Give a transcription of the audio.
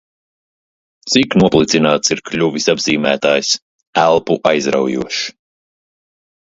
Cik noplicināts ir kļuvis apzīmētājs "elpu aizraujošs"!